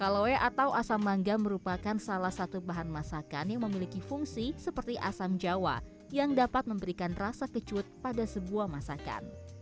kalowe atau asam mangga merupakan salah satu bahan masakan yang memiliki fungsi seperti asam jawa yang dapat memberikan rasa kecut pada sebuah masakan